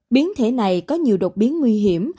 biến thể này có nhiều đột biến nguy hiểm